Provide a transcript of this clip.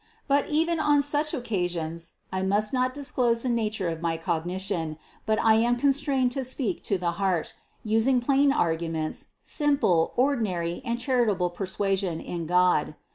But even on such occasions I must not disclose the nature of my cognition, but I am constrained to speak to the heart, using plain arguments, simple, ordinary and charitable persuasion in God.